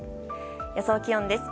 予想気温です。